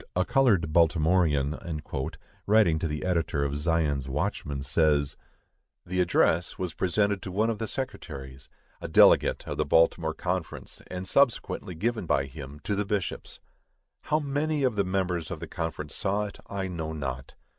"A Colored Baltimorean," writing to the editor of Zion's Watchman, says: The address was presented to one of the secretaries, a delegate of the Baltimore Conference, and subsequently given by him to the bishops. How many of the members of the conference saw it, I know not.